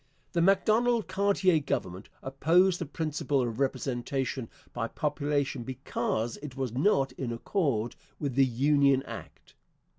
The Macdonald Cartier Government opposed the principle of representation by population because it was not in accord with the Union Act.